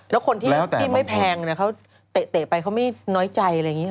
แล้วคนที่ไม่แพงเขาเตะไปเขาไม่น้อยใจอะไรอย่างนี้